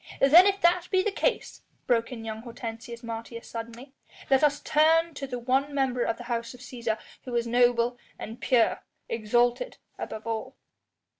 "Then if that be the case," broke in young Hortensius Martius suddenly, "let us turn to the one member of the House of Cæsar who is noble and pure, exalted above all."